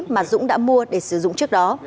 mà dũng đã mua để sử dụng trước đó